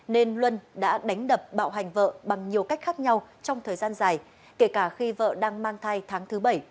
nên luân đã đánh đập bạo hành vợ bằng nhiều cách khác nhau trong thời gian dài kể cả khi vợ đang mang thai tháng thứ bảy